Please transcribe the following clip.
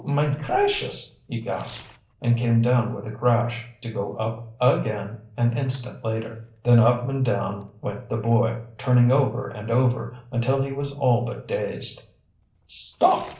Mine cracious!" he gasped and came down with a crash, to go up again an instant later. Then up and down went the boy, turning over and over, until he was all but dazed. "Stop!